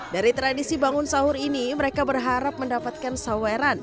dari tradisi bangun sahur ini mereka berharap mendapatkan saweran